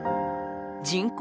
人口